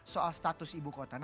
soal status ibu kota